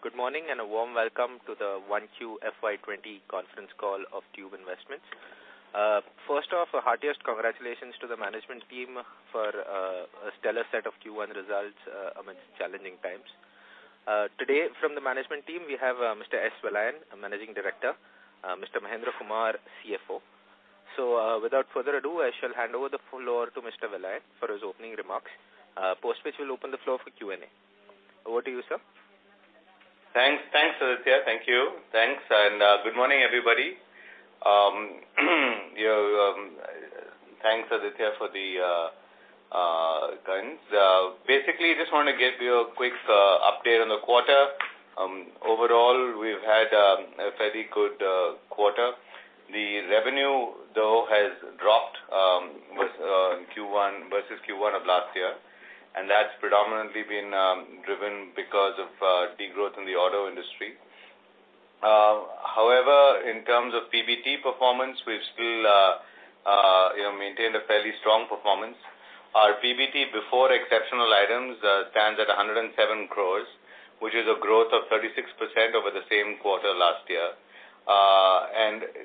Good morning. A warm welcome to the 1Q FY 2020 conference call of Tube Investments. First off, our heartiest congratulations to the management team for a stellar set of Q1 results amidst challenging times. Today, from the management team, we have Mr. Vellayan Subbiah, Managing Director, Mr. Mahendra Kumar, CFO. Without further ado, I shall hand over the floor to Mr. Vellayan for his opening remarks, post which we'll open the floor for Q&A. Over to you, sir. Thanks, Aditya. Thank you. Thanks. Good morning, everybody. Thanks, Aditya, for the kinds. Basically, just want to give you a quick update on the quarter. Overall, we've had a fairly good quarter. The revenue, though, has dropped versus Q1 of last year. That's predominantly been driven because of degrowth in the auto industry. However, in terms of PBT performance, we've still maintained a fairly strong performance. Our PBT before exceptional items stands at 107 crores, which is a growth of 36% over the same quarter last year.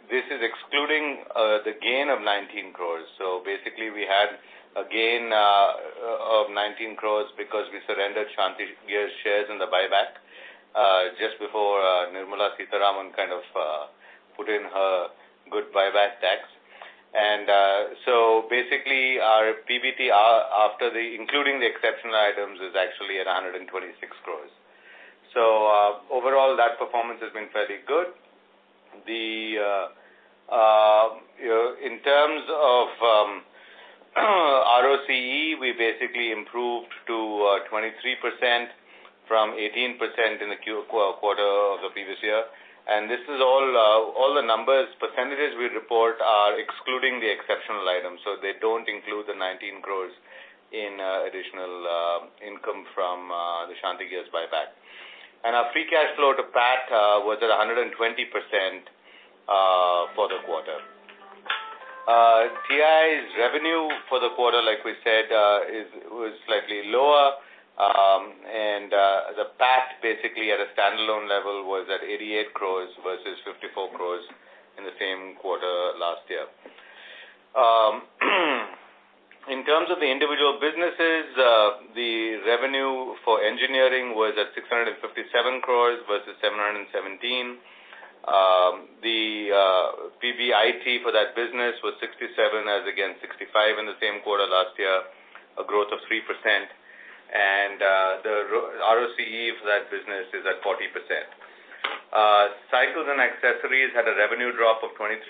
This is excluding the gain of 19 crores. Basically, we had a gain of 19 crores because we surrendered Shanthi Gears shares in the buyback, just before Nirmala Sitharaman kind of put in her good buyback tax. Basically, our PBT including the exceptional items, is actually at 126 crores. Overall, that performance has been fairly good. In terms of ROCE, we basically improved to 23% from 18% in the quarter of the previous year. All the numbers, percentages we report are excluding the exceptional items. They don't include the 19 crore in additional income from the Shanthi Gears buyback. Our free cash flow to PAT was at 120% for the quarter. TI's revenue for the quarter, like we said, was slightly lower. The PAT basically at a standalone level was at 88 crore versus 54 crore in the same quarter last year. In terms of the individual businesses, the revenue for engineering was at 657 crore versus 717 crore. The PBIT for that business was 67 crore as against 65 crore in the same quarter last year, a growth of 3%. The ROCE for that business is at 40%. Cycles and accessories had a revenue drop of 23%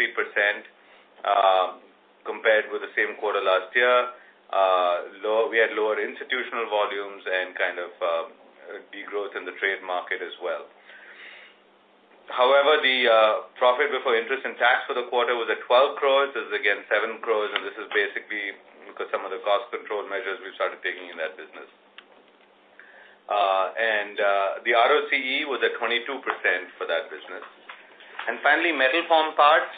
compared with the same quarter last year. We had lower institutional volumes and kind of degrowth in the trade market as well. However, the PBIT for the quarter was at 12 crore. This is again 7 crore, and this is basically because some of the cost control measures we started taking in that business. The ROCE was at 22% for that business. Finally, metal form parts.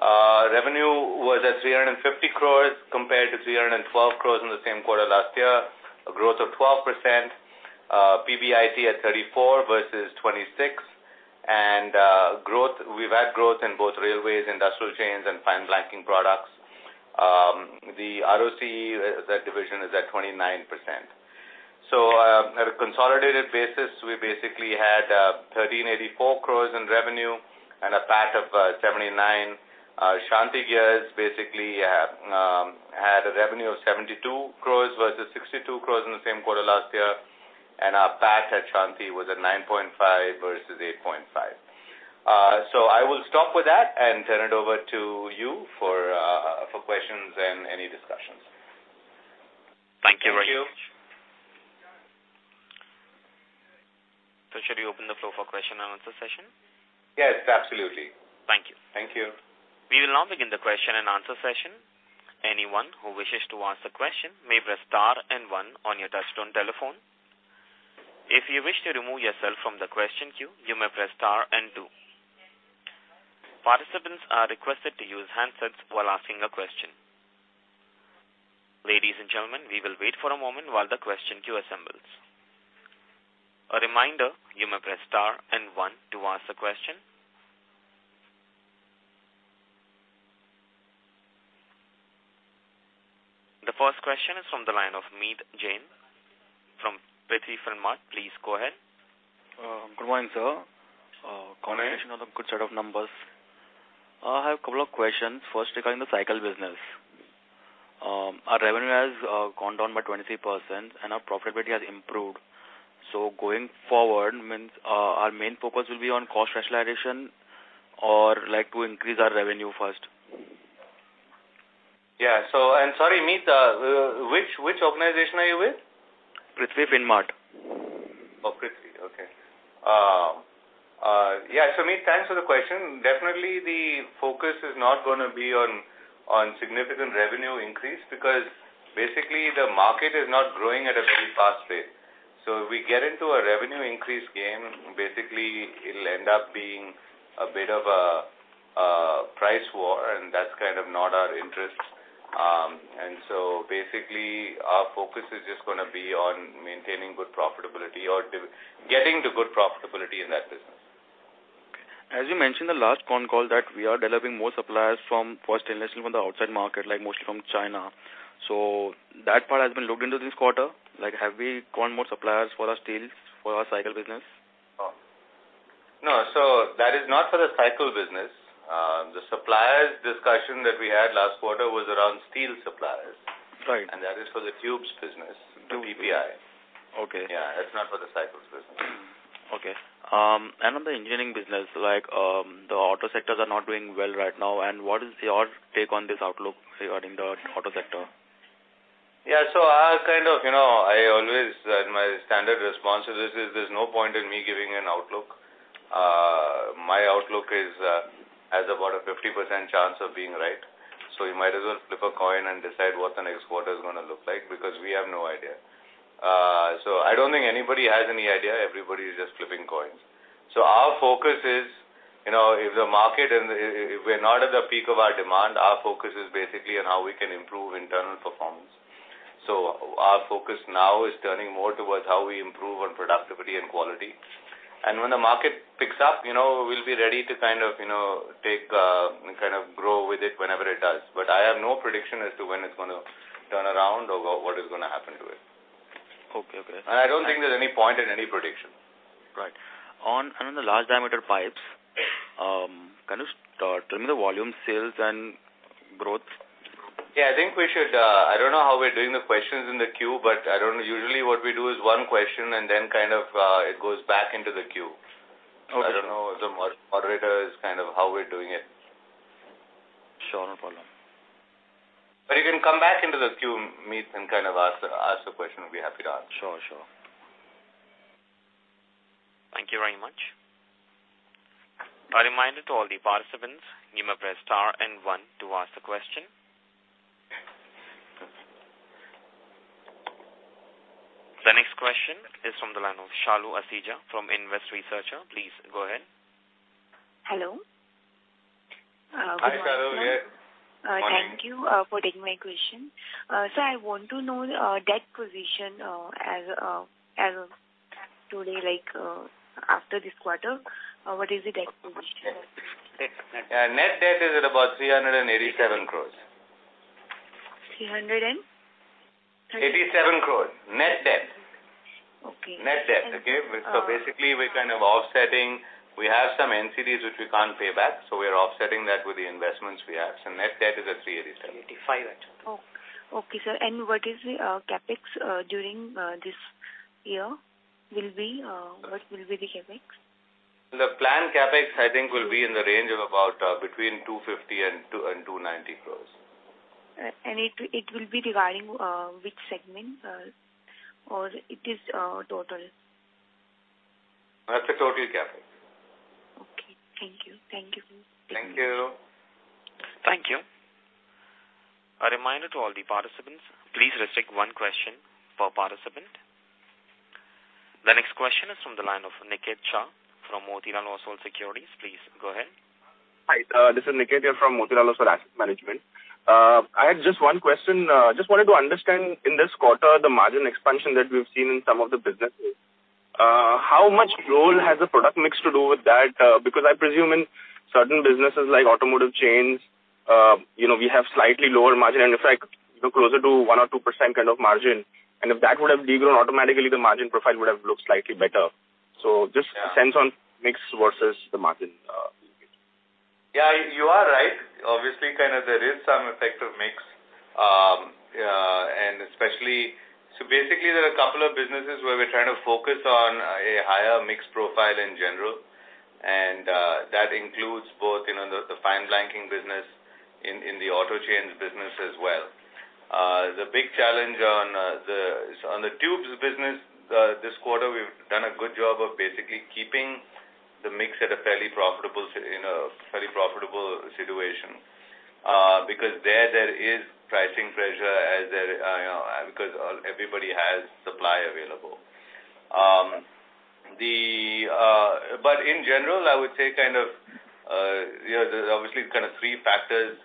Revenue was at 350 crore compared to 312 crore in the same quarter last year, a growth of 12%. PBIT at 34 crore versus 26 crore. We've had growth in both railways, industrial chains, and fine blanking products. The ROCE of that division is at 29%. At a consolidated basis, we basically had 1,384 crore in revenue and a PAT of 79 crore. Shanthi Gears basically had a revenue of 72 crore versus 62 crore in the same quarter last year. Our PAT at Shanthi was at 9.5 crore versus 8.5 crore. I will stop with that and turn it over to you for questions and any discussions. Thank you. Thank you. Should we open the floor for question and answer session? Yes, absolutely. Thank you. Thank you. We will now begin the question and answer session. Anyone who wishes to ask a question may press star and one on your touchtone telephone. If you wish to remove yourself from the question queue, you may press star and two. Participants are requested to use handsets while asking a question. Ladies and gentlemen, we will wait for a moment while the question queue assembles. A reminder, you may press star and one to ask the question. The first question is from the line of Meet Jain from Prithvi Finmart. Please go ahead. Good morning, sir. Good morning. Congratulations on the good set of numbers. I have a couple of questions. First, regarding the cycle business. Our revenue has gone down by 23% and our profitability has improved. Going forward, our main focus will be on cost rationalization or to increase our revenue first? Yeah. Sorry, Meet, which organization are you with? Prithvi Finmart. Oh, Prithvi. Okay. Yeah. Meet, thanks for the question. Definitely the focus is not going to be on significant revenue increase because basically the market is not growing at a very fast rate. If we get into a revenue increase game, basically it'll end up being a bit of a price war, and that's kind of not our interest. basically, our focus is just going to be on maintaining good profitability or getting to good profitability in that business. As you mentioned the last con call that we are developing more suppliers from forged and less from the outside market, mostly from China. That part has been looked into this quarter. Have we got more suppliers for our steels for our cycle business? No. That is not for the cycle business. The suppliers discussion that we had last quarter was around steel suppliers. Right. That is for the tubes business, the PPI. Okay. Yeah. It's not for the cycles business. Okay. On the engineering business, the auto sectors are not doing well right now. What is your take on this outlook regarding the auto sector? I always, my standard response to this is there's no point in me giving an outlook. My outlook has about a 50% chance of being right. You might as well flip a coin and decide what the next quarter is going to look like, because we have no idea. I don't think anybody has any idea. Everybody is just flipping coins. Our focus is, if the market, if we're not at the peak of our demand, our focus is basically on how we can improve internal performance. Our focus now is turning more towards how we improve on productivity and quality. When the market picks up, we'll be ready to take and kind of grow with it whenever it does. I have no prediction as to when it's going to turn around or what is going to happen to it. Okay. Great. I don't think there's any point in any prediction. Right. On the large diameter pipes, can you tell me the volume sales and growth? I don't know how we're doing the questions in the queue, but usually what we do is one question, and then it goes back into the queue. Okay. I don't know, the moderator is kind of how we're doing it. Sure. No problem. You can come back into the queue, Meet, and ask the question. We'll be happy to answer. Sure. Thank you very much. A reminder to all the participants, you may press star and one to ask the question. The next question is from the line of Shalu Asija from Invest Researcher. Please go ahead. Hello. Good morning. Hi, Shalu. Yeah. Morning. Thank you for taking my question. Sir, I want to know the debt position as of today, after this quarter, what is the debt position? Net debt is at about 387 crores. 300 and? 87 crores. Net debt. Okay. Net debt. Okay? Basically, we're kind of offsetting. We have some NCDs, which we can't pay back. We are offsetting that with the investments we have. Net debt is at 387. Five actually. Okay, sir. What is the CapEx during this year? What will be the CapEx? The planned CapEx, I think will be in the range of about between 250 and 290 crores. It will be dividing which segment or it is total? That's the total CapEx. Okay. Thank you. Thank you. Thank you. A reminder to all the participants, please restrict one question per participant. The next question is from the line of Niket Shah from Motilal Oswal Securities. Please go ahead. Hi, this is Niket here from Motilal Oswal Asset Management. I have just one question. Just wanted to understand in this quarter, the margin expansion that we've seen in some of the businesses. How much role has the product mix to do with that? Because I presume in certain businesses, like automotive chains, we have slightly lower margin, and in fact, closer to one or two % kind of margin. If that would have de-grown, automatically the margin profile would have looked slightly better. Just a sense on mix versus the margin. Yeah, you are right. Obviously, there is some effect of mix. Basically, there are a couple of businesses where we're trying to focus on a higher mix profile in general, and that includes both the fine blanking business and the auto chains business as well. The big challenge on the tubes business, this quarter, we've done a good job of basically keeping the mix at a fairly profitable situation. There, there is pricing pressure as everybody has supply available. In general, I would say, there's obviously three factors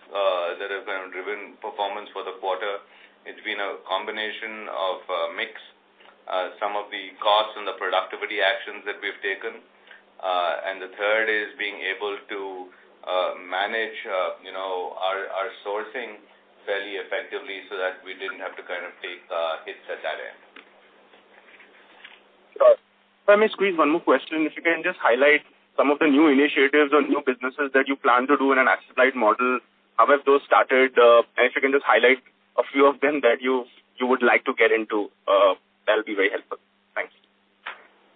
that have driven performance for the quarter. It's been a combination of mix, some of the costs and the productivity actions that we've taken, and the third is being able to manage our sourcing fairly effectively so that we didn't have to take hits at that end. Sure. If I may squeeze one more question. If you can just highlight some of the new initiatives or new businesses that you plan to do in an asset-light model, how have those started? If you can just highlight a few of them that you would like to get into, that'll be very helpful.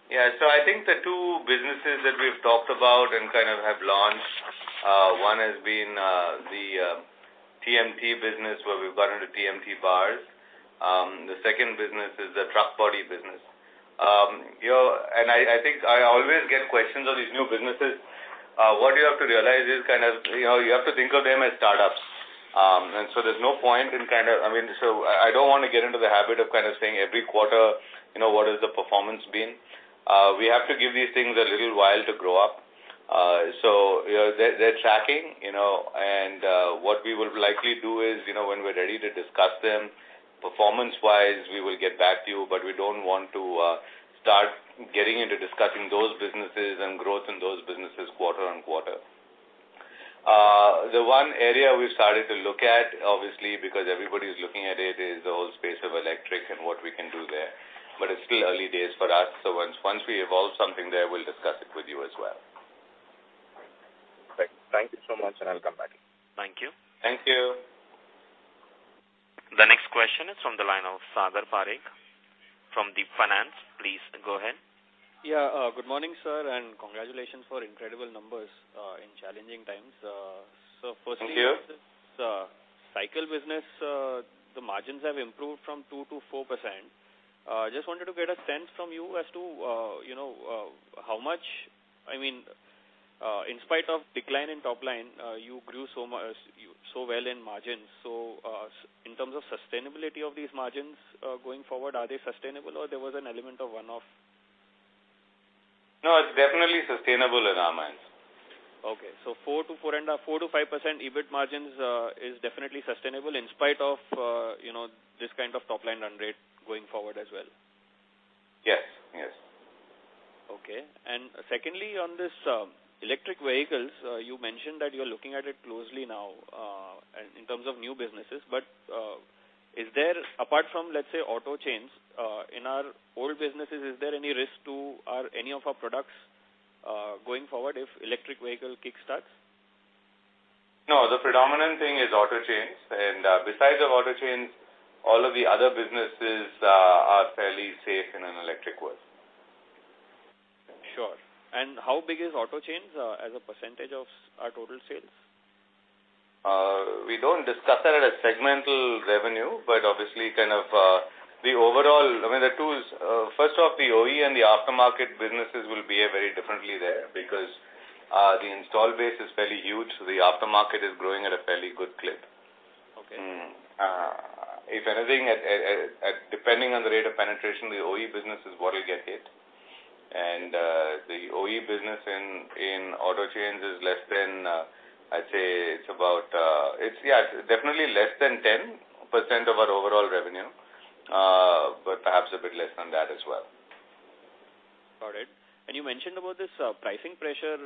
Thanks. Yeah. I think the two businesses that we've talked about and kind of have launched, one has been the TMT business, where we've got into TMT bars. The second business is the truck body business. I always get questions on these new businesses. What you have to realize is you have to think of them as startups. I don't want to get into the habit of saying every quarter, what has the performance been? We have to give these things a little while to grow up. They're tracking, and what we will likely do is, when we're ready to discuss them performance-wise, we will get back to you, but we don't want to start getting into discussing those businesses and growth in those businesses quarter on quarter. The one area we've started to look at, obviously, because everybody's looking at it, is the whole space of electric and what we can do there. It's still early days for us, so once we evolve something there, we'll discuss it with you as well. Great. Thank you so much. I'll come back. Thank you. Thank you. The next question is from the line of Sagar Parekh from Deep Finance. Please go ahead. Yeah. Good morning, sir. Congratulations for incredible numbers in challenging times. Thank you. Firstly, the cycle business, the margins have improved from 2% to 4%. Just wanted to get a sense from you as to how much. In spite of decline in top line, you grew so well in margins. In terms of sustainability of these margins going forward, are they sustainable or there was an element of one-off? No, it's definitely sustainable in our minds. Okay. 4%-5% EBIT margins is definitely sustainable in spite of this kind of top-line run rate going forward as well. Yes. Okay. Secondly, on this electric vehicles, you mentioned that you're looking at it closely now in terms of new businesses, but is there, apart from, let's say, auto chains, in our old businesses, is there any risk to any of our products going forward if electric vehicle kick-starts? No, the predominant thing is auto chains, and besides the auto chains, all of the other businesses are fairly safe in an electric world. Sure. How big is auto chains as a percentage of our total sales? We don't discuss that as segmental revenue. Obviously, the overall, first off, the OE and the aftermarket businesses will behave very differently there because the install base is fairly huge. The aftermarket is growing at a fairly good clip. Okay. If anything, depending on the rate of penetration, the OE business is what will get hit. The OE business in auto chains is less than, I'd say, it's definitely less than 10% of our overall revenue, but perhaps a bit less than that as well. Got it. You mentioned about this pricing pressure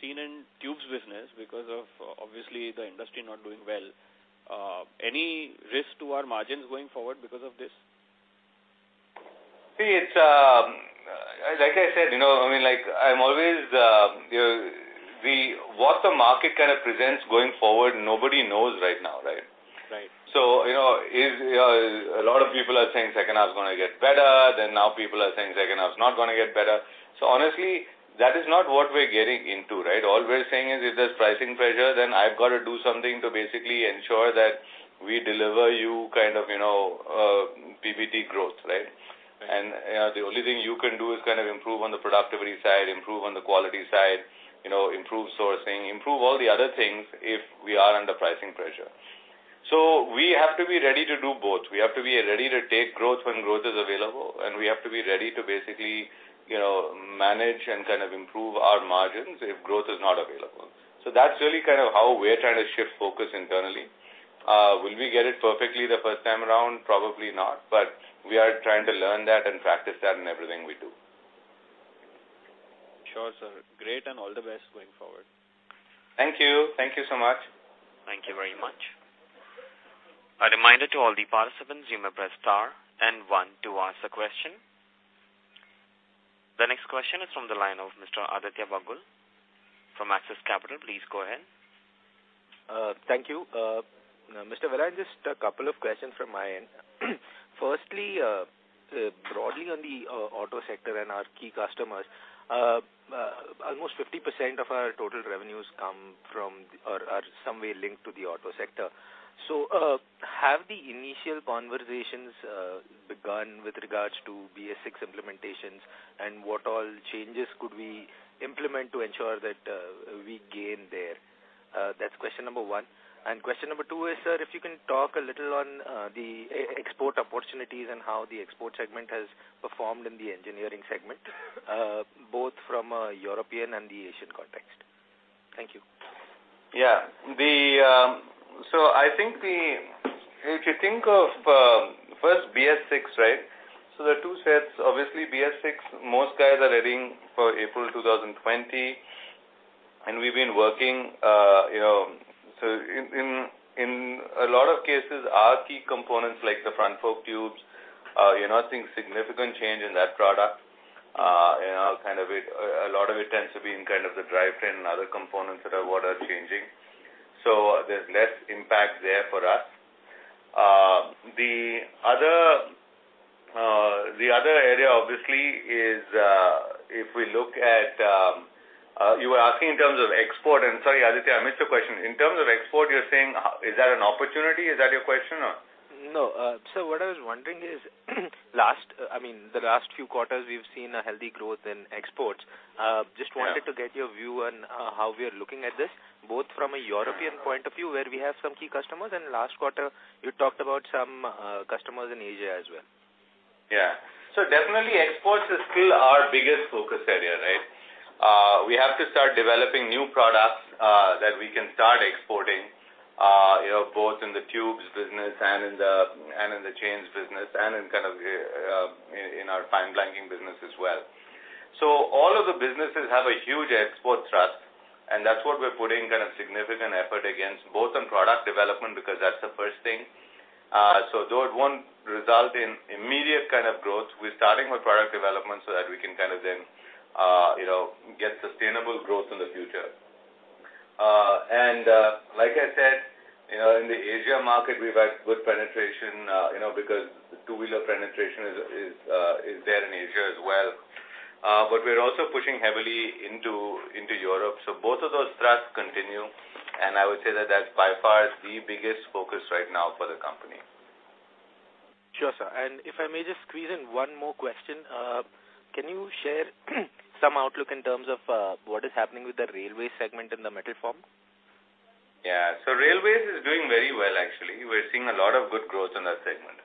seen in tubes business because of, obviously, the industry not doing well. Any risk to our margins going forward because of this? Like I said, what the market kind of presents going forward, nobody knows right now, right? Right. A lot of people are saying second half is going to get better. Now people are saying second half is not going to get better. Honestly, that is not what we're getting into, right? All we're saying is if there's pricing pressure, then I've got to do something to basically ensure that we deliver you PBT growth, right? The only thing you can do is improve on the productivity side, improve on the quality side, improve sourcing, improve all the other things if we are under pricing pressure. We have to be ready to do both. We have to be ready to take growth when growth is available, and we have to be ready to basically manage and improve our margins if growth is not available. That's really how we're trying to shift focus internally. Will we get it perfectly the first time around? Probably not. We are trying to learn that and practice that in everything we do. Sure, sir. Great and all the best going forward. Thank you. Thank you so much. Thank you very much. A reminder to all the participants, you may press star and one to ask the question. The next question is from the line of Mr. Aditya Bagul from Axis Capital. Please go ahead. Thank you. Mr. Vellayan, just a couple of questions from my end. Firstly, broadly on the auto sector and our key customers. Almost 50% of our total revenues come from or are somewhere linked to the auto sector. Have the initial conversations begun with regards to BS6 implementations, and what all changes could we implement to ensure that we gain there? That's question number 1. Question number 2 is, sir, if you can talk a little on the export opportunities and how the export segment has performed in the engineering segment, both from a European and the Asian context. Thank you. Yeah. I think if you think of first BS6, right? There are two sets. Obviously, BS6, most guys are readying for April 2020, and we've been working. In a lot of cases, our key components, like the front fork tubes, are not seeing significant change in that product. A lot of it tends to be in the drivetrain and other components that are changing. There's less impact there for us. The other area, obviously, is if we look at, you were asking in terms of export, and sorry, Aditya, I missed the question. In terms of export, you're saying is that an opportunity? Is that your question, or? No. What I was wondering is the last few quarters, we've seen a healthy growth in exports. Yeah. Just wanted to get your view on how we are looking at this, both from a European point of view, where we have some key customers, and last quarter you talked about some customers in Asia as well. Yeah. Definitely exports is still our biggest focus area. We have to start developing new products that we can start exporting, both in the tubes business and in the chains business, and in our fine blanking business as well. All of the businesses have a huge export thrust, and that's what we're putting significant effort against, both on product development, because that's the first thing. Though it won't result in immediate kind of growth, we're starting with product development so that we can then get sustainable growth in the future. And like I said, in the Asia market, we've had good penetration, because the two-wheeler penetration is there in Asia as well. We're also pushing heavily into Europe. Both of those thrusts continue, and I would say that that's by far the biggest focus right now for the company. Sure, sir. If I may just squeeze in one more question. Can you share some outlook in terms of what is happening with the railway segment in the metal form? Railways is doing very well, actually. We're seeing a lot of good growth on that segment.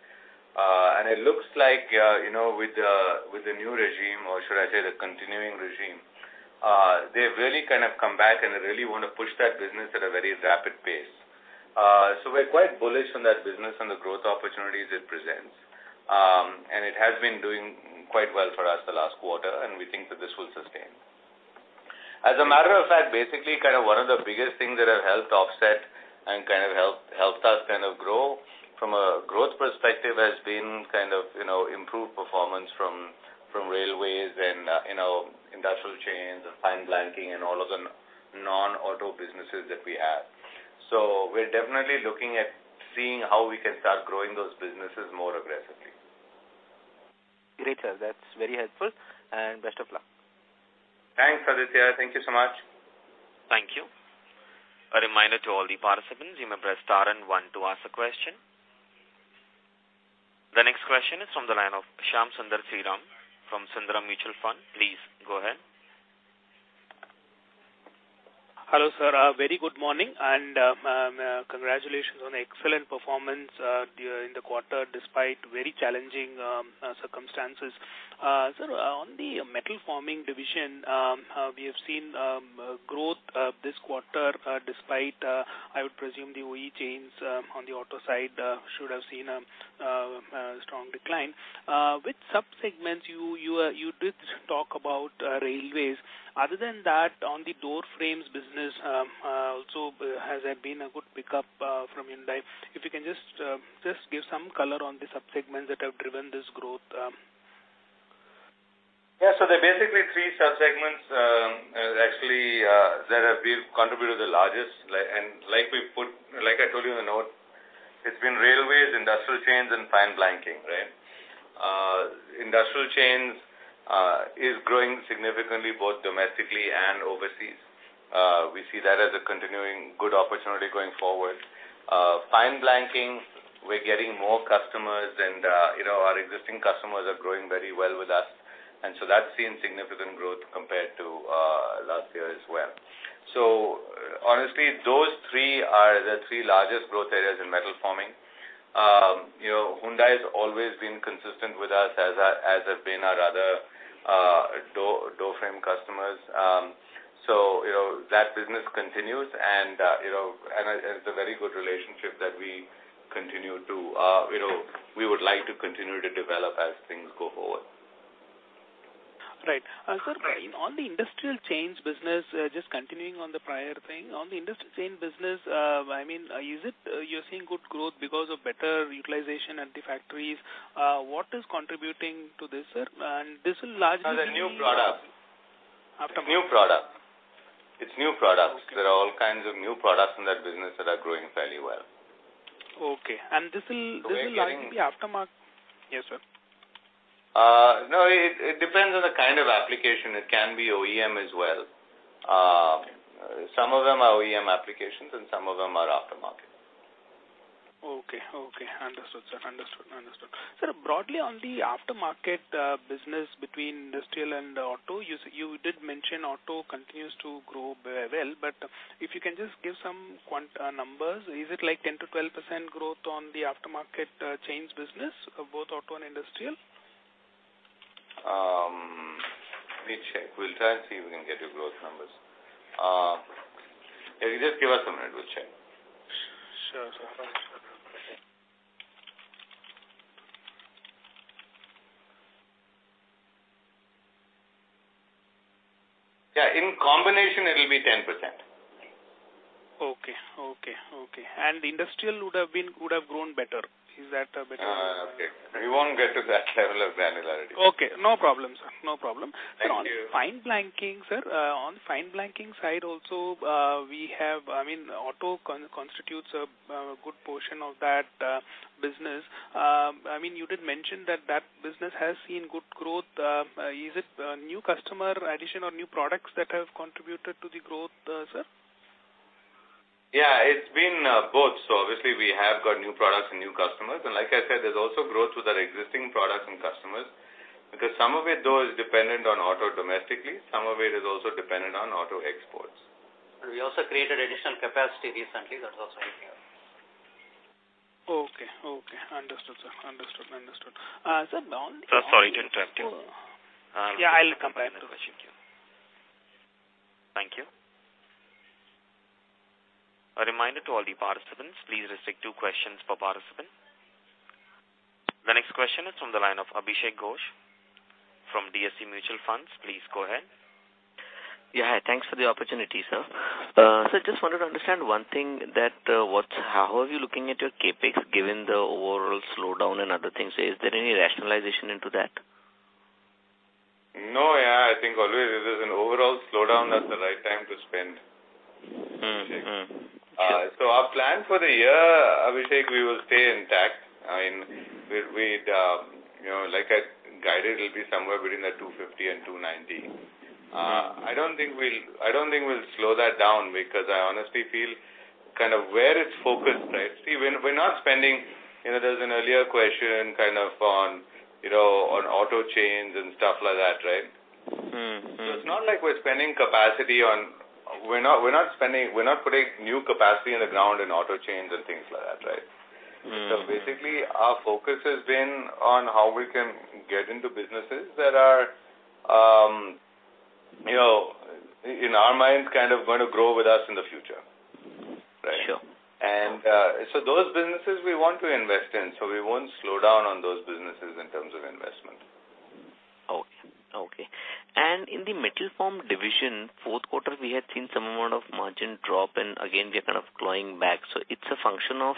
It looks like, with the new regime, or should I say the continuing regime, they've really kind of come back and really want to push that business at a very rapid pace. We're quite bullish on that business and the growth opportunities it presents. It has been doing quite well for us the last quarter, and we think that this will sustain. As a matter of fact, basically, one of the biggest things that have helped offset and helped us grow from a growth perspective has been improved performance from railways and industrial chains, fine blanking, and all of the non-auto businesses that we have. We're definitely looking at seeing how we can start growing those businesses more aggressively. Great, sir. That's very helpful. Best of luck. Thanks, Aditya. Thank you so much. Thank you. A reminder to all the participants, you may press star and one to ask a question. The next question is from the line of Shyam Sundar Sriram from Sundaram Mutual Fund. Please go ahead. Hello, sir. A very good morning, and congratulations on excellent performance during the quarter, despite very challenging circumstances. Sir, on the metal forming division, we have seen growth this quarter, despite, I would presume the OE chains on the auto side should have seen a strong decline. Which sub-segments, you did talk about railways. Other than that, on the door frames business also, has there been a good pickup from Hyundai? If you can just give some color on the sub-segments that have driven this growth. Yeah. There are basically three sub-segments, actually, that have contributed the largest. Like I told you in the note, it's been railways, industrial chains, and fine blanking. Industrial chains is growing significantly both domestically and overseas. We see that as a continuing good opportunity going forward. Fine blanking, we're getting more customers, and our existing customers are growing very well with us. That's seen significant growth compared to last year as well. Honestly, those three are the three largest growth areas in metal forming. Hyundai has always been consistent with us, as have been our other door frame customers. That business continues, and it's a very good relationship that we would like to continue to develop as things go forward. Right. Sir, on the industrial chains business, just continuing on the prior thing. On the industrial chain business, are you seeing good growth because of better utilization at the factories? What is contributing to this, sir? It's new product. Aftermarket. It's new products. Okay. There are all kinds of new products in that business that are growing fairly well. Okay. This will largely be aftermarket. Yes, sir? No, it depends on the kind of application. It can be OEM as well. Okay. Some of them are OEM applications, and some of them are aftermarket. Okay. Understood, sir. Sir, broadly on the aftermarket business between industrial and auto, you did mention auto continues to grow well, but if you can just give some numbers. Is it like 10%-12% growth on the aftermarket chains business of both auto and industrial? Let me check. We'll try and see if we can get you growth numbers. Yeah, you just give us a minute. We'll check. Sure, sir. Yeah, in combination it'll be 10%. Okay. Industrial would have grown better. Is that a better way? Okay. We won't get to that level of granularity. Okay. No problem, sir. Thank you. Sir, on fine blanking side also, auto constitutes a good portion of that business. You did mention that that business has seen good growth. Is it new customer addition or new products that have contributed to the growth, sir? Yeah, it's been both. Obviously we have got new products and new customers, and like I said, there's also growth with our existing products and customers, because some of it, though, is dependent on auto domestically, some of it is also dependent on auto exports. We also created additional capacity recently. That's also in here. Okay. Understood, sir. Sorry to interrupt you. Yeah, I'll come back to the question. Thank you. A reminder to all the participants, please restrict to questions per participant. The next question is from the line of Abhishek Ghosh from DSP Mutual Fund. Please go ahead. Yeah, hi. Thanks for the opportunity, sir. Sir, just wanted to understand one thing, how are you looking at your CapEx, given the overall slowdown and other things? Is there any rationalization into that? No, I think always it is an overall slowdown, that's the right time to spend. Our plan for the year, Abhishek, we will stay intact. Like I guided, it will be somewhere between 250 and 290. I don't think we'll slow that down because I honestly feel kind of where it's focused, right? There's an earlier question on auto chains and stuff like that, right? It's not like we're spending capacity. We're not putting new capacity in the ground in auto chains and things like that, right? Basically, our focus has been on how we can get into businesses that are, in our minds, going to grow with us in the future. Right? Sure. Those businesses we want to invest in, so we won't slow down on those businesses in terms of investment. Okay. In the metal form division, fourth quarter, we had seen some amount of margin drop, and again, we are kind of growing back. It's a function of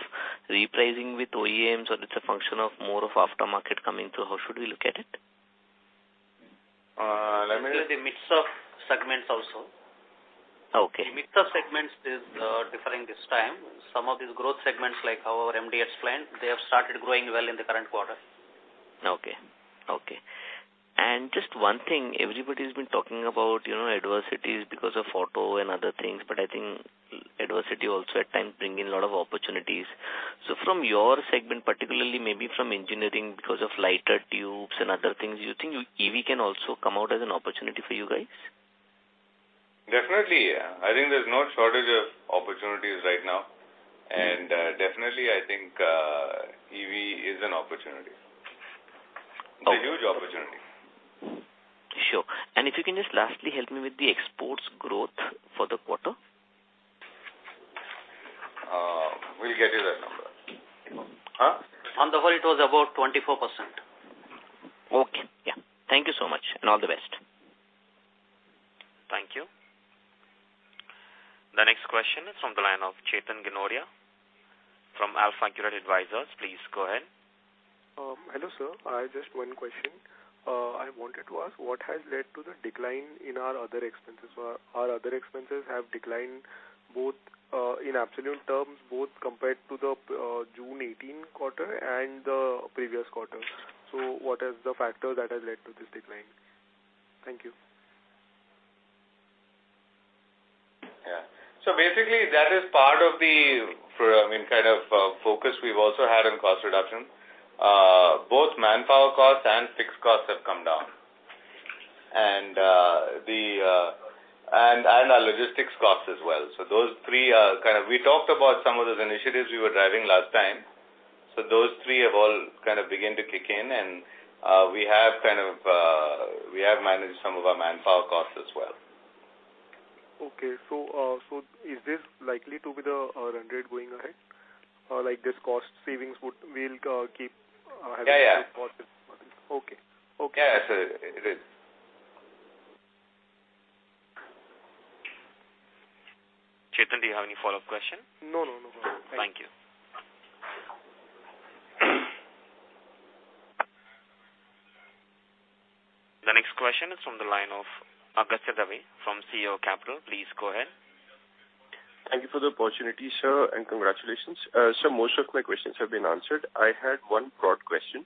repricing with OEMs, or it's a function of more of aftermarket coming through. How should we look at it? Let me- It's actually the mix of segments also. Okay. The mix of segments is differing this time. Some of these growth segments, like our MDS plant, they have started growing well in the current quarter. Okay. Just one thing, everybody's been talking about adversities because of auto and other things, but I think adversity also at times bring in a lot of opportunities. From your segment, particularly maybe from engineering because of lighter tubes and other things, do you think EV can also come out as an opportunity for you guys? Definitely, yeah. I think there's no shortage of opportunities right now. Definitely, I think EV is an opportunity. Okay. A huge opportunity. Sure. If you can just lastly help me with the exports growth for the quarter. We'll get you that number. On the whole, it was about 24%. Okay. Yeah. Thank you so much, and all the best. Thank you. The next question is from the line of Chetan Ginoria from Alpha Kurian Advisors. Please go ahead. Hello, sir. Just one question. I wanted to ask what has led to the decline in our other expenses, or our other expenses have declined both in absolute terms, both compared to the June 2018 quarter and the previous quarter. What is the factor that has led to this decline? Thank you. Basically, that is part of the focus we've also had on cost reduction. Both manpower costs and fixed costs have come down. Our logistics costs as well. We talked about some of those initiatives we were driving last time. Those three have all begun to kick in, and we have managed some of our manpower costs as well. Okay. Is this likely to be the trend rate going ahead? Like this cost savings, we'll keep having- Yeah. Okay. Yes, it is. Chetan, do you have any follow-up question? No. Thank you. The next question is from the line of Agastya Dave from CAO Capital. Please go ahead. Thank you for the opportunity, sir, and congratulations. Sir, most of my questions have been answered. I had one broad question.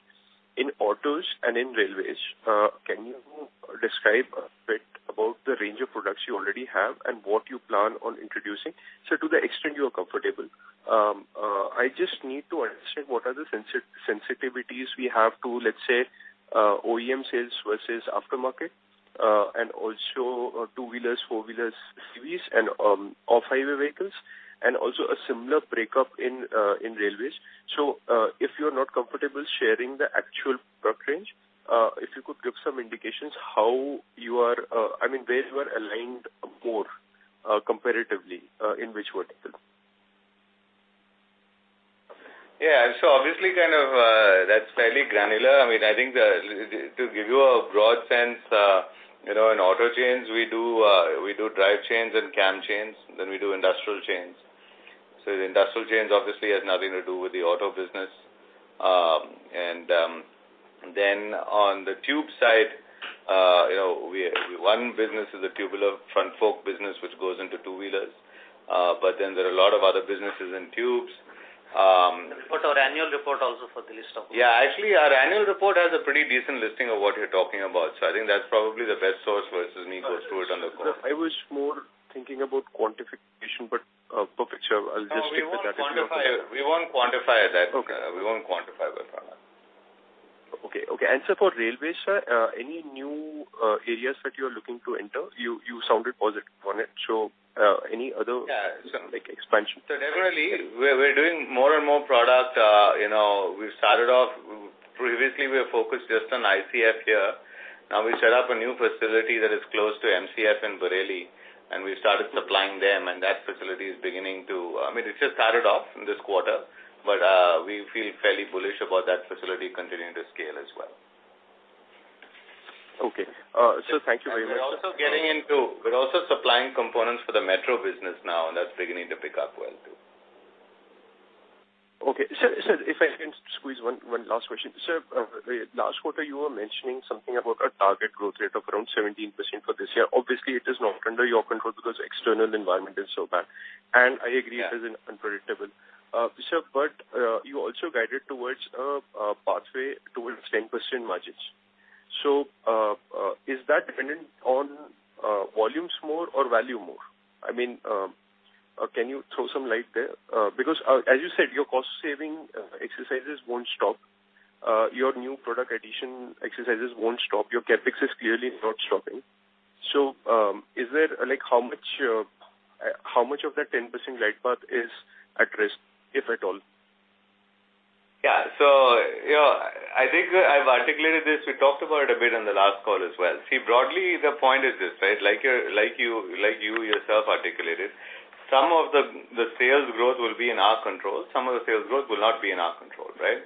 In autos and in railways, can you describe a bit about the range of products you already have and what you plan on introducing? Sir, to the extent you are comfortable. I just need to understand what are the sensitivities we have to, let's say, OEM sales versus aftermarket, and also two-wheelers, four-wheelers series, and off-highway vehicles, and also a similar breakup in railways. If you're not comfortable sharing the actual product range, if you could give some indications how you are, I mean, where you are aligned more, comparatively, in which vertical? Yeah, obviously that's fairly granular. I think to give you a broad sense, in auto chains, we do drive chains and cam chains, then we do industrial chains. The industrial chains obviously has nothing to do with the auto business. On the tube side, one business is a tubular front fork business, which goes into two-wheelers. There are a lot of other businesses in tubes Report our annual report also. Yeah. Actually, our annual report has a pretty decent listing of what you're talking about. I think that's probably the best source versus me go through it on the call. I was more thinking about quantification, but perfect, sir. I'll just stick with that. We won't quantify that. Okay. We won't quantify that for now. Okay. Sir, for railways, any new areas that you're looking to enter? You sounded positive on it, any other expansion? Definitely, we're doing more and more product. Previously, we were focused just on ICF here. We set up a new facility that is close to MCF in Bareilly, and we started supplying them, and that facility just started off in this quarter. We feel fairly bullish about that facility continuing to scale as well. Okay. Sir, thank you very much. We're also supplying components for the metro business now, and that's beginning to pick up well too. Okay. Sir, if I can squeeze one last question. Sir, last quarter you were mentioning something about a target growth rate of around 17% for this year. Obviously, it is not under your control because external environment is so bad. I agree it is unpredictable. Sir, you also guided towards a pathway towards 10% margins. Is that dependent on volumes more or value more? Can you throw some light there? As you said, your cost-saving exercises won't stop. Your new product addition exercises won't stop. Your CapEx is clearly not stopping. How much of that 10% right path is at risk, if at all? Yeah. I think I've articulated this. We talked about it a bit on the last call as well. Broadly, the point is this, like you yourself articulated, some of the sales growth will be in our control, some of the sales growth will not be in our control. Right?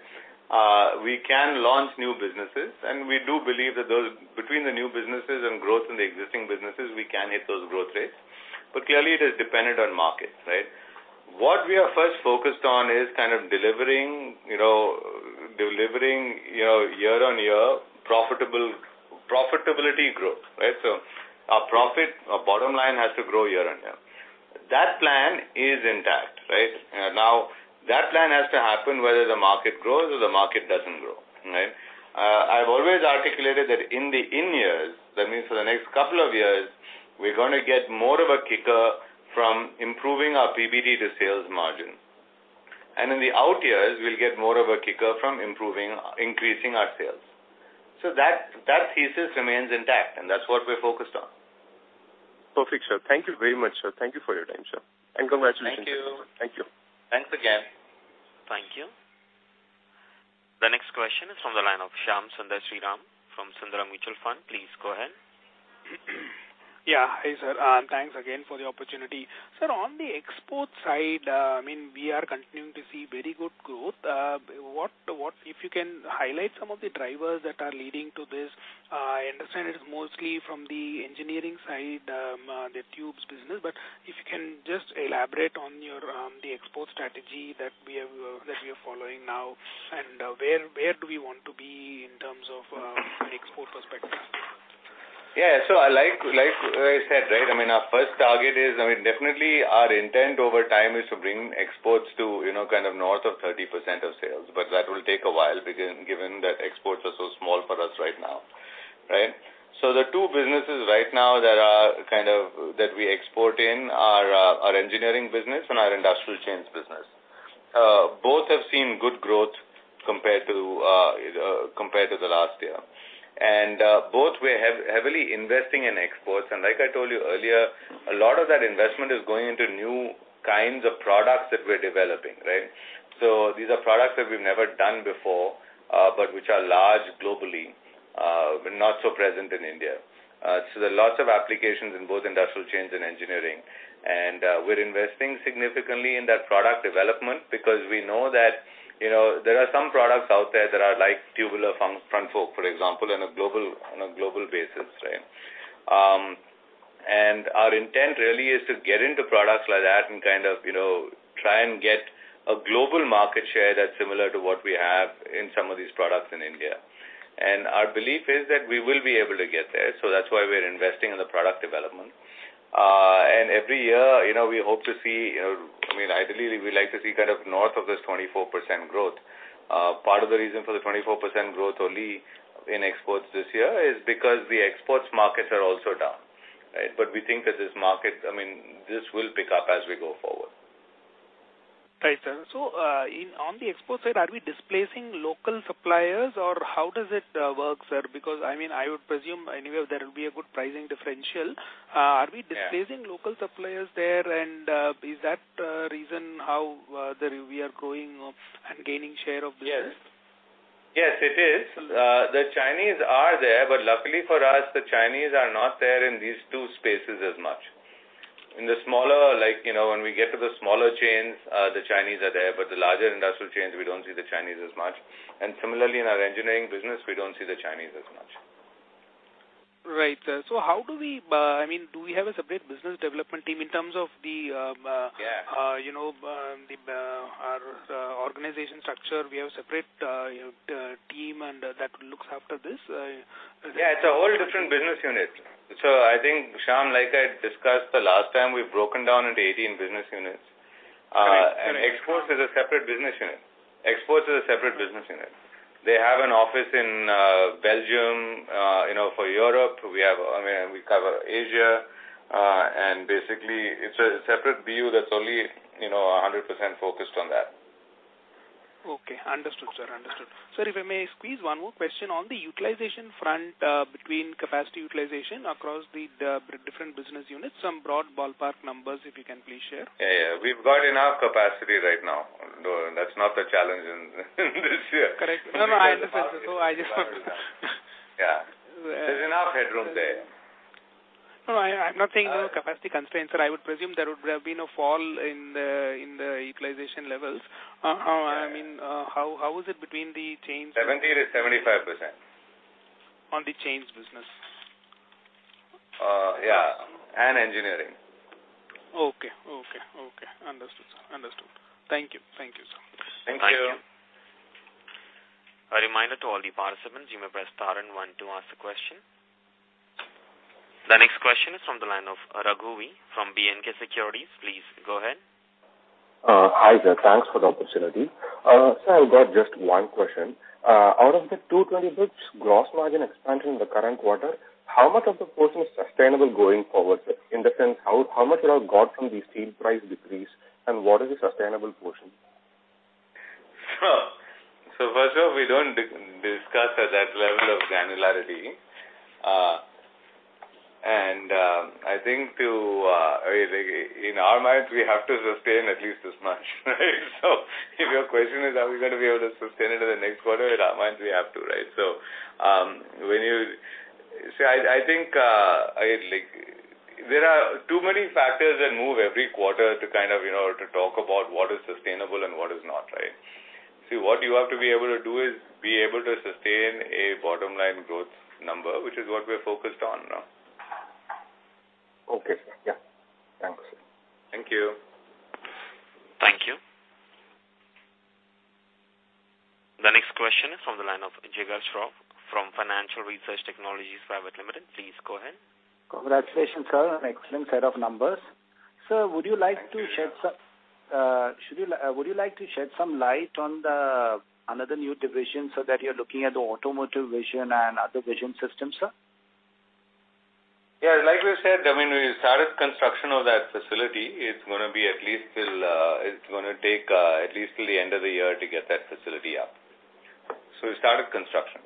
We can launch new businesses, and we do believe that between the new businesses and growth in the existing businesses, we can hit those growth rates. Clearly, it is dependent on markets, right? What we are first focused on is kind of delivering year-on-year profitability growth. Right? Our profit, our bottom line has to grow year-on-year. That plan is intact. Right? That plan has to happen whether the market grows or the market doesn't grow. Right? I've always articulated that in the in-years, that means for the next couple of years, we're going to get more of a kicker from improving our PBT to sales margin. In the out years, we'll get more of a kicker from increasing our sales. That thesis remains intact, and that's what we're focused on. Perfect, sir. Thank you very much, sir. Thank you for your time, sir. Congratulations. Thank you. Thank you. Thanks again. Thank you. The next question is from the line of Shyam Sundar Sriram from Sundaram Mutual Fund. Please go ahead. Yeah. Hi, sir. Thanks again for the opportunity. Sir, on the export side, we are continuing to see very good growth. If you can highlight some of the drivers that are leading to this? I understand it is mostly from the engineering side, the tubes business. If you can just elaborate on the export strategy that you're following now, and where do we want to be in terms of an export perspective? Like I said, our first target is, definitely our intent over time is to bring exports to kind of north of 30% of sales, but that will take a while given that exports are so small for us right now. Right? The two businesses right now that we export in are our engineering business and our industrial chains business. Both have seen good growth compared to the last year. Both we're heavily investing in exports, and like I told you earlier, a lot of that investment is going into new kinds of products that we're developing. Right? These are products that we've never done before, but which are large globally, but not so present in India. There are lots of applications in both industrial chains and engineering, we're investing significantly in that product development because we know that there are some products out there that are like tubular front fork, for example, on a global basis. Our intent really is to get into products like that and kind of try and get a global market share that's similar to what we have in some of these products in India. Our belief is that we will be able to get there, so that's why we're investing in the product development. Every year, ideally, we like to see kind of north of this 24% growth. Part of the reason for the 24% growth only in exports this year is because the exports markets are also down. We think that this will pick up as we go forward. Right, sir. On the export side, are we displacing local suppliers, or how does it work, sir? I would presume anyway there will be a good pricing differential. Are we displacing local suppliers there, and is that reason how we are growing and gaining share of business? Yes. It is. The Chinese are there, but luckily for us, the Chinese are not there in these two spaces as much. When we get to the smaller chains, the Chinese are there, but the larger industrial chains, we don't see the Chinese as much. Similarly, in our engineering business, we don't see the Chinese as much. Right, sir. Do we have a separate business development team in terms of the- Yeah Our organization structure, we have a separate team that looks after this? Yeah, it's a whole different business unit. I think, Shyam, like I discussed the last time, we've broken down into 18 business units. Exports is a separate business unit. They have an office in Belgium for Europe. We cover Asia, basically it's a separate BU that's only 100% focused on that. Okay, understood, sir. Sir, if I may squeeze one more question on the utilization front between capacity utilization across the different business units, some broad ballpark numbers if you can please share? Yeah. We've got enough capacity right now. That's not the challenge in this year. Correct. No, I understand, sir. Yeah. There's enough headroom there. No, I'm not saying capacity constraints, sir. I would presume there would have been a fall in the utilization levels. How is it between the change? 70%-75%. On the chains business? Yeah, and engineering. Okay. Understood. Thank you. Thank you. A reminder to all the participants, you may press star and one to ask the question. The next question is from the line of Raghavi from BNK Securities. Please go ahead. Hi, sir. Thanks for the opportunity. Sir, I've got just one question. Out of the 220 basis points gross margin expansion in the current quarter, how much of the portion is sustainable going forward, sir? In the sense, how much you have got from the steel price decrease, and what is the sustainable portion? First off, we don't discuss at that level of granularity. I think in our minds, we have to sustain at least this much, right? If your question is, are we going to be able to sustain into the next quarter? In our minds, we have to. I think there are too many factors that move every quarter to talk about what is sustainable and what is not, right? What you have to be able to do is be able to sustain a bottom-line growth number, which is what we're focused on now. Okay, sir. Yeah. Thanks. Thank you. Thank you. The next question is from the line of Jigar Shroff from Financial Research Technologies Private Limited. Please go ahead. Congratulations, sir, on an excellent set of numbers. Thank you. Would you like to shed some light on another new division, sir, that you're looking at the automotive vision and other vision systems, sir? Yeah, like we said, we started construction of that facility. It's going to take at least till the end of the year to get that facility up. We started construction.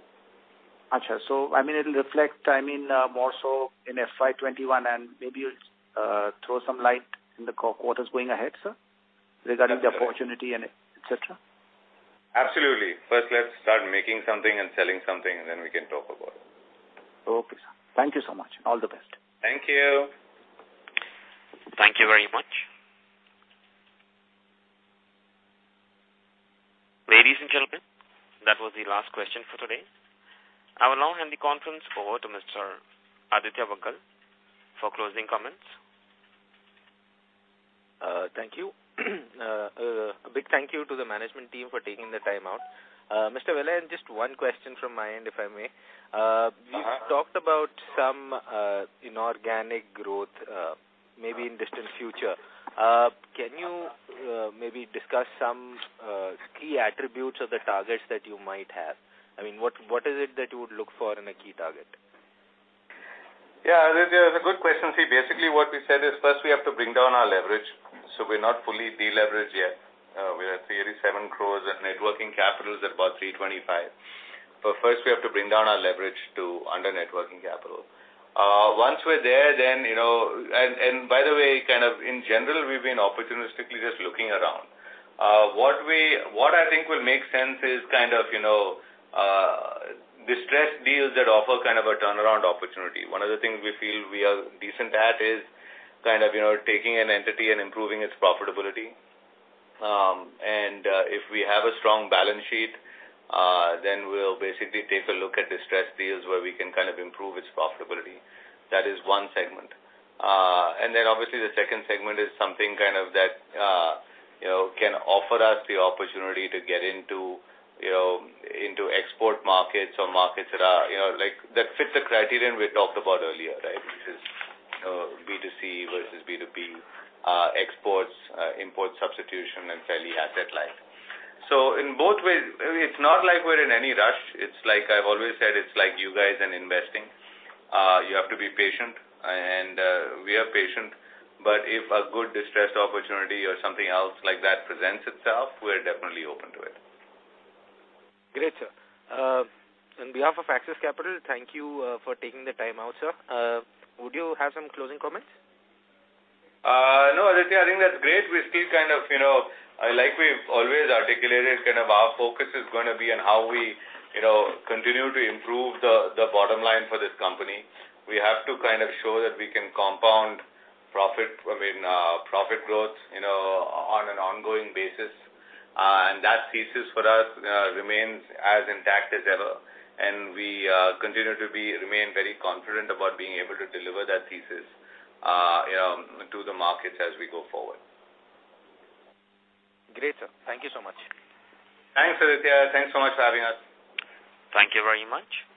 Got it. It'll reflect more so in FY 2021, and maybe you'll throw some light in the quarters going ahead, sir, regarding the opportunity, et cetera? Absolutely. First let's start making something and selling something, and then we can talk about it. Okay, sir. Thank you so much. All the best. Thank you. Thank you very much. Ladies and gentlemen, that was the last question for today. I will now hand the conference over to Mr. Aditya Bagul for closing comments. Thank you. A big thank you to the management team for taking the time out. Mr. Velan, just one question from my end, if I may. You've talked about some inorganic growth, maybe in distant future. Can you maybe discuss some key attributes of the targets that you might have? What is it that you would look for in a key target? Yeah, that's a good question. See, basically what we said is first we have to bring down our leverage. We're not fully de-leveraged yet. We are at 387 crore and net working capital is about 325. First we have to bring down our leverage to under net working capital. Once we're there, then, and by the way, kind of in general, we've been opportunistically just looking around. What I think will make sense is distressed deals that offer kind of a turnaround opportunity. One of the things we feel we are decent at is taking an entity and improving its profitability. If we have a strong balance sheet, then we'll basically take a look at distressed deals where we can improve its profitability. That is one segment. Then obviously the second segment is something that can offer us the opportunity to get into export markets or markets that fit the criterion we talked about earlier. Which is B2C versus B2B, exports, import substitution, and fairly asset light. In both ways, it's not like we're in any rush. I've always said, it's like you guys in investing. You have to be patient, and we are patient, but if a good distressed opportunity or something else like that presents itself, we're definitely open to it. Great, sir. On behalf of Axis Capital, thank you for taking the time out, sir. Would you have some closing comments? No, Aditya, I think that's great. Like we've always articulated, our focus is going to be on how we continue to improve the bottom line for this company. We have to show that we can compound profit growth on an ongoing basis. That thesis for us remains as intact as ever, and we continue to remain very confident about being able to deliver that thesis to the markets as we go forward. Great, sir. Thank you so much. Thanks, Aditya. Thanks so much for having us. Thank you very much.